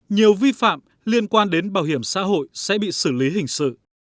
nhiều vi phạm liên quan đến bảo hiểm xã hội sẽ bị xử lý hình sự